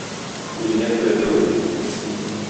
Үзенә күрә түгел.